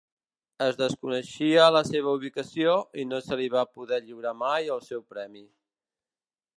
Es desconeixia la seva ubicació i no se li va poder lliurar mai el seu premi.